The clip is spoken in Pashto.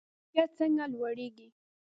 کیفیت څنګه لوړیږي؟